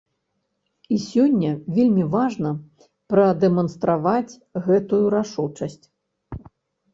І сёння вельмі важна прадэманстраваць гэтую рашучасць.